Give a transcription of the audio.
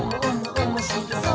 おもしろそう！」